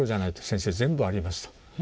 「先生全部あります」と。